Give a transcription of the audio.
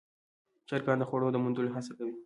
چرګان د خوړو د موندلو هڅه کوي.